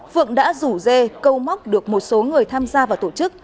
phượng đã rủ dê câu móc được một số người tham gia vào tổ chức